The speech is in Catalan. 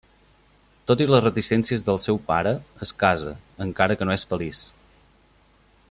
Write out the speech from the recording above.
Tot i les reticències del seu pare, es casa, encara que no és feliç.